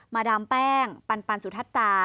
มาดามแป้งปันปันสุทัศน์ตา